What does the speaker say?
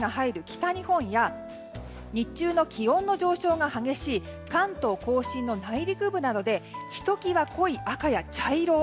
北日本や日中の気温の上昇が激しい関東・甲信の内陸部などでひときわ濃い赤や茶色。